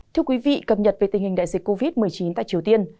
thưa quý vị cập nhật về tình hình đại dịch covid một mươi chín tại triều tiên